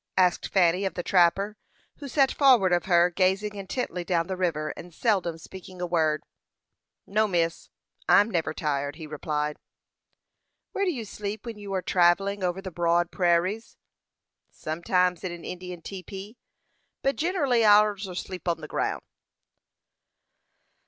asked Fanny of the trapper, who sat forward of her, gazing intently down the river, and seldom speaking a word. "No, miss, I'm never tired," he replied. "Where do you sleep when you are travelling over the broad prairies?" "Sometimes in an Indian tepee, but generally allers on the ground."